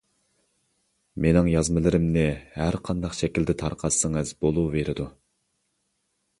مېنىڭ يازمىلىرىمنى ھەر قانداق شەكىلدە تارقاتسىڭىز بولۇۋېرىدۇ.